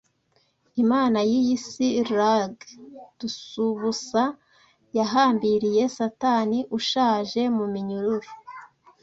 'Imana y'iyi si rag'dubusa: Yahambiriye Satani ushaje muminyururu